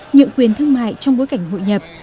nhận quyền thương mại trong bối cảnh hội nhập